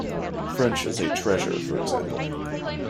French is a treasure, for example.